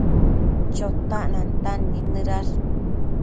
Chotac nantan nidnëdash